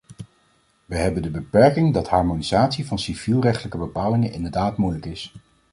Wij hebben de beperking dat harmonisatie van civielrechtelijke bepalingen inderdaad moeilijk is .